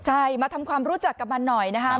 ใช่มาทำความรู้จักกับมันหน่อยนะครับ